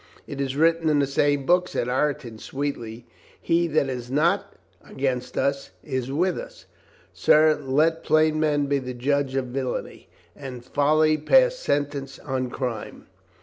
"It is written in the same book," said Ireton sweetly, " 'he that is not against us is with us.' " "Sir, let plain men be the judges of villainy." "And folly pass sentence on crime."